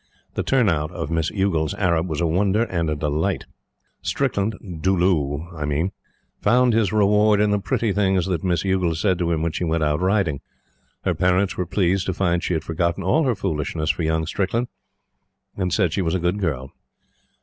The turnout of Miss Youghal's Arab was a wonder and a delight. Strickland Dulloo, I mean found his reward in the pretty things that Miss Youghal said to him when she went out riding. Her parents were pleased to find she had forgotten all her foolishness for young Strickland and said she was a good girl.